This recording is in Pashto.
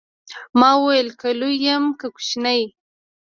ما وويل که لوى يم که کوچنى.